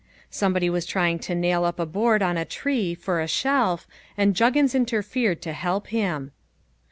Somebody was trying to nail up a board on a tree for a shelf and Juggins interfered to help him.